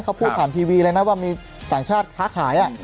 เขาพูดผ่านทีวีเลยนะว่ามีต่างชาติค้าขาย